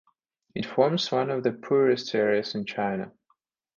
It forms one of the poorest areas in China.